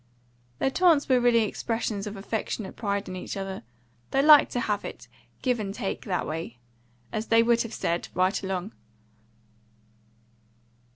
Their taunts were really expressions of affectionate pride in each other. They liked to have it, give and take, that way, as they would have said, right along.